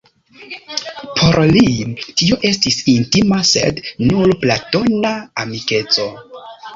Por li tio estis intima, sed nur platona amikeco.